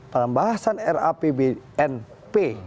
dalam bahasan rapbnp